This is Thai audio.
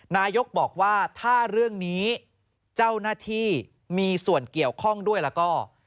นายกบอกว่าถ้าเรื่องนี้เจ้าหน้าที่มีส่วนเกี่ยวข้องด้วยแล้วก็